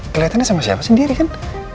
kelihatannya sama siapa sendiri kan